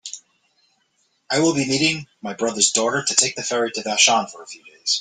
I will be meeting my brother's daughter to take the ferry to Vashon for a few days.